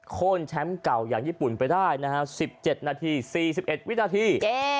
โค้นแชมป์เก่าอย่างญี่ปุ่นไปได้นะฮะ๑๗นาที๔๑วินาที